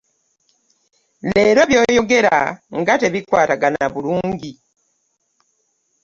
Leero byoyogera nga tebikwatagana bulungi.